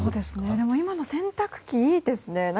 今も洗濯機いいですね。